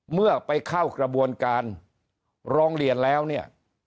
เมื่อไปเข้ากระบวนการร้องเรียนแล้วเนี่ย